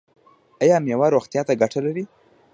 ایا میوه روغتیا ته ګټه لري؟